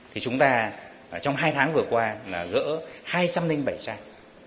thì chúng ta trong hai tháng vừa qua là gỡ hạ xuống các cái trang mà mạo danh đạo đảng nhà nước